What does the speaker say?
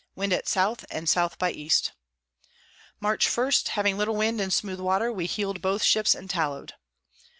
Wind at S. and S by E. March 1. Having little Wind and smooth Water, we heel'd both Ships and tallow'd.